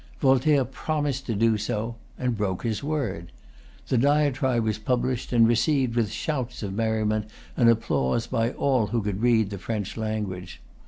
Voltaire promised to do so, and broke his word. The Diatribe was published, and received with shouts of merriment and applause by all who could read the French language.